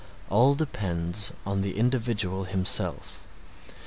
All depends upon the individual himself.